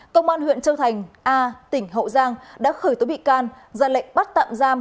công an huyện châu thành a tỉnh hậu giang đã khởi tố bị can ra lệnh bắt tạm giam